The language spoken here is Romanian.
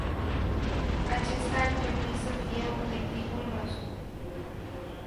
Acesta ar trebui să fie obiectivul nostru.